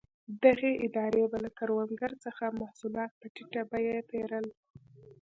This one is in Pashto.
دغې ادارې به له کروندګرو څخه محصولات په ټیټه بیه پېرل.